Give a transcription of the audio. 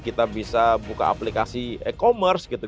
kita bisa buka aplikasi e commerce gitu